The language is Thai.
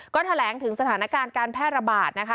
ก็แถลงถึงสถานการณ์การแพร่ระบาดนะคะ